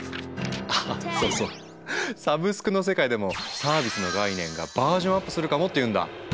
あそうそうサブスクの世界でもサービスの概念がバージョンアップするかもっていうんだ。